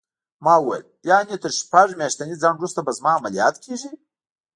ما وویل: یعنې تر شپږ میاشتني ځنډ وروسته به زما عملیات کېږي؟